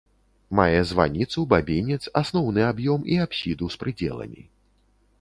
Мае званіцу, бабінец, асноўны аб'ём і апсіду з прыдзеламі.